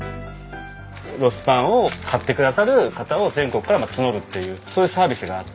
ロスパンを買ってくださる方を全国から募るっていうそういうサービスがあって。